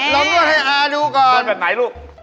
ล้อมนวดให้อะดูก่อนนะคะบันไหนลูก